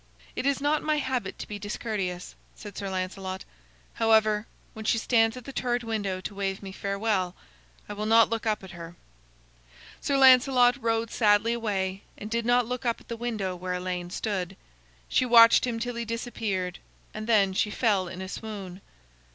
"It is not my habit to be discourteous," said Sir Lancelot. "However, when she stands at the turret window to wave me farewell, I will not look up at her." Sir Lancelot rode sadly away, and did not look up at the window where Elaine stood. She watched him till he disappeared, and then she fell in a swoon.